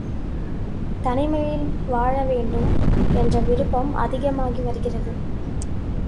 தனிமையில் வாழ வேண்டும் என்ற விருப்பம் அதிகமாகி வருகிறது.